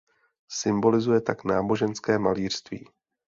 Symbolizuje tak náboženské malířství.